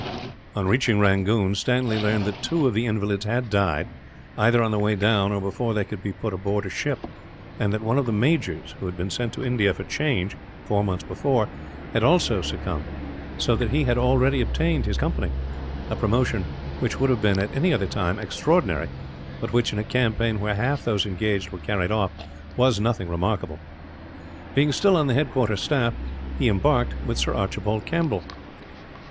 On reaching Rangoon, Stanley learned that two of the invalids had died, either on the way down or before they could be put on board a ship; and that one of the majors, who had been sent to India for change, four months before, had also succumbed; so that he had already obtained his company a promotion which would have been, at any other time, extraordinary; but which, in a campaign where half those engaged were carried off, was nothing remarkable. Being still on the headquarter staff, he embarked with Sir Archibald Campbell.